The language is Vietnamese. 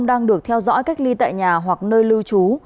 đang được theo dõi cách ly tại nhà hoặc nơi lưu trú